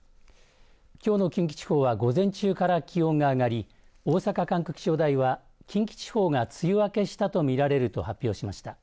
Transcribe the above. きょうの近畿地方は午前中から気温が上がり大阪管区気象台は近畿地方が梅雨明けしたと見られると発表しました。